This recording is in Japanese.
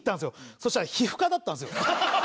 そしたら皮膚科だったんすよ。